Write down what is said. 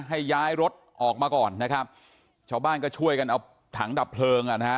ให้ย้ายรถออกมาก่อนนะครับชาวบ้านก็ช่วยกันเอาถังดับเพลิงอ่ะนะฮะ